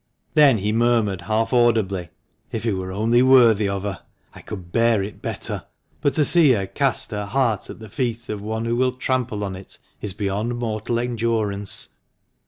Then he murmured half audibly, "If he were only worthy of her I could bear it better; but to see her cast her heart at the feet of one who will trample on it, is beyond mortal endurance."